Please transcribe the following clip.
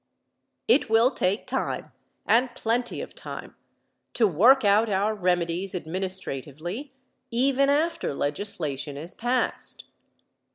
It will take time and plenty of time to work out our remedies administratively even after legislation is passed.